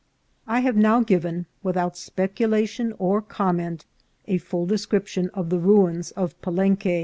I have now given, without speculation or comment, a full description of the ruins of Palenque.